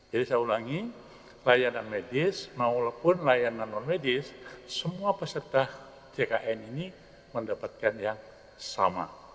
jadi saya ulangi layanan medis maupun layanan non medis semua peserta ckn ini mendapatkan yang sama